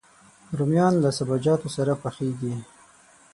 رومیان له سابهجاتو سره پخېږي